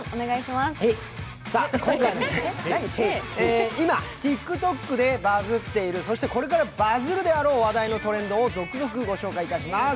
今回は今ＴｉｋＴｏｋでバズっているそしてこれからバズるであろう話題のトレンドを続々ご紹介いたします。